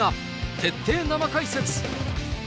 徹底生解説。